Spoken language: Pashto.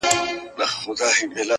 يو لوى دښت وو راټول سوي انسانان وه-